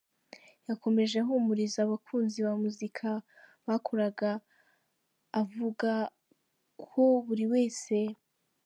Yakomeje ahumuriza abakunzi ba muzika bakoraga avuga ko buri wese